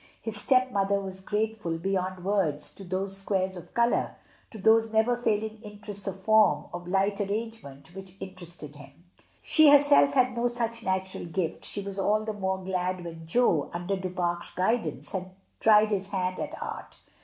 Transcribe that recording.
His stepmother was grate ALMSGIVING. 83 fill beyond words to those squares of colour, to those never failing interests of form, of light arrangement, which interested him; she herself had no such natural gift; she was all the more glad when Jo, under Du Fare's guidance, had tried his hand at art.